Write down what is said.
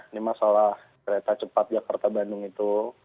ini masalah kereta cepat jakarta bandung itu